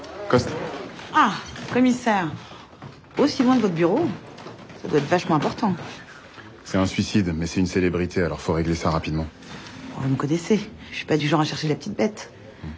うん。